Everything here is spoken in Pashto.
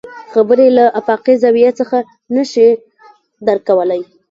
خبرې له افاقي زاويو څخه نه شي درک کولی.